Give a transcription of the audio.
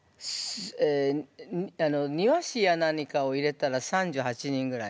え庭師や何かを入れたら３８人ぐらい。